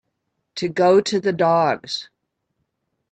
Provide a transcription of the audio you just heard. To go to the dogs